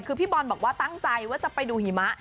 คือพี่บอลบอกว่าตั้งใจว่าจะไปดูหิมะ